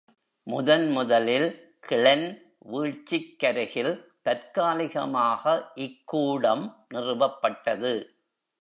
முதன் முதலில் கிளென் வீழ்ச்சிக்கருகில் தற்காலிகமாக இக்கூடம் நிறுவப்பட்டது.